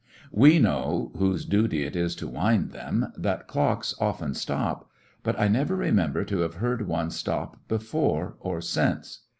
We know, whose duty it is to wind them, that clocks often stop, but I never re member to have heard one stop before or since.